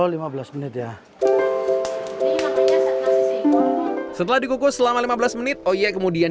hai hai oh lima belas menit ya setelah dikukus selama lima belas menit oye kemudian